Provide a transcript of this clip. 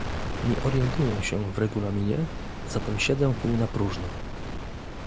Nie orientuję się w regulaminie, zatem siedzę tu na próżno